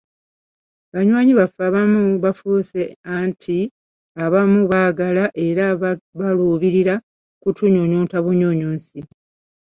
Banywanyi baffe abamu bafuuse anti abamu baagala era baluubirira kutunyunyunta bunyunyusi.